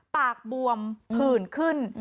ปากบวมผื่นขึ้น